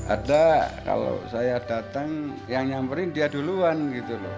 ada kalau saya datang yang nyamperin dia duluan gitu loh